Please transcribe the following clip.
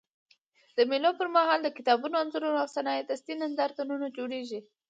د مېلو پر مهال د کتابونو، انځورونو او صنایع دستي نندارتونونه جوړېږي.